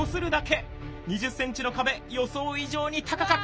２０ｃｍの壁予想以上に高かった！